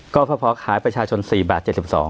กรมภพขายประชาชน๔บาท๗๒